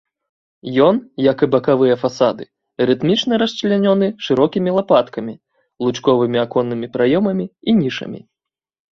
Ён, як і бакавыя фасады, рытмічна расчлянёны шырокімі лапаткамі, лучковымі аконнымі праёмамі і нішамі.